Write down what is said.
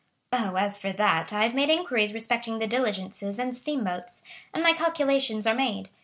"Oh, as for that, I have made inquiries respecting the diligences and steamboats, and my calculations are made.